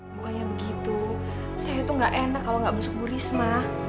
bukannya begitu saya tuh gak enak kalau gak bersukur risma